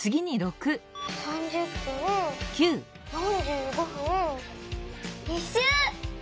３０分４５分一周！